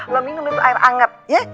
belum minum itu air anget ya